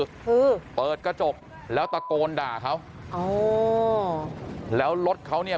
คือเปิดกระจกแล้วตะโกนด่าเขาอ๋อแล้วรถเขาเนี่ย